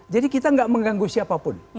jadi kita enggak mengganggu siapapun